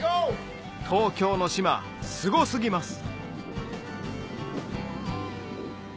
東京の島すご過ぎます